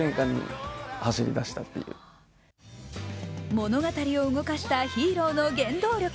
物語を動かしたヒーローの原動力。